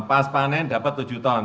pas panen dapat tujuh ton